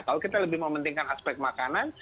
kalau kita lebih mementingkan aspek makanan